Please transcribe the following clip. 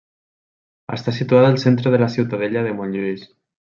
Està situada al centre de la Ciutadella de Montlluís.